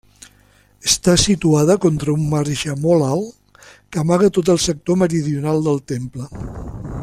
Està situada contra un marge molt alt, que amaga tot el sector meridional del temple.